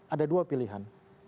ada dua pilihan